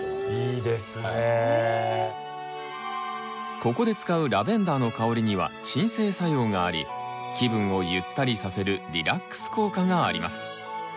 ここで使うラベンダーの香りには鎮静作用があり気分をゆったりさせるリラックス効果があります。